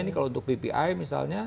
ini kalau untuk bpi misalnya